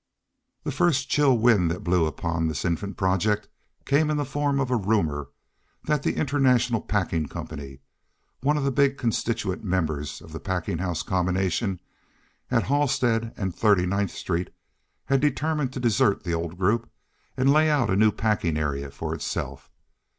The first chill wind that blew upon the infant project came in the form of a rumor that the International Packing Company, one of the big constituent members of the packing house combination at Halstead and Thirty ninth streets, had determined to desert the old group and lay out a new packing area for itself.